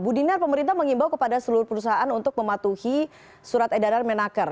bu dinar pemerintah mengimbau kepada seluruh perusahaan untuk mematuhi surat edaran menaker